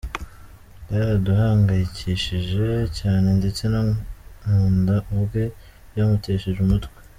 Byaraduhangayikishije cyane ndetse na Nkunda ubwe byamutesheje umutwe.